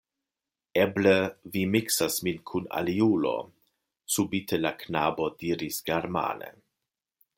Eble vi miksas min kun aliulo, subite la knabo diris germane.